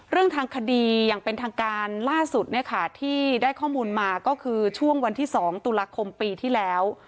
เรื่องทางคดีอย่างเป็นทางการล่าสุดเนี่ยค่ะที่ได้ข้อมูลมาก็คือช่วงวันที่๒ตุลาคมปีที่แล้ว